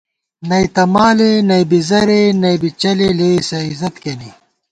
نئ تہ مالے نئ بی زَرے نئ بی چَلے لېئیسہ عِزت کېنے